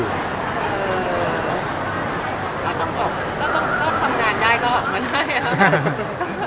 เออต้องบอกก็ทำงานได้ก็ออกมาได้อ่ะ